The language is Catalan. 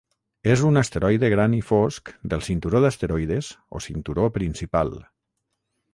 És un asteroide gran i fosc del cinturó d'asteroides o cinturó principal.